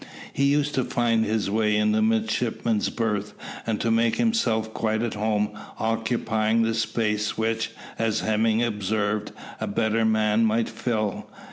He used to find his way into the midshipmen's berth and to make himself quite at home, occupying the space which, as Hemming observed, a better man might fill.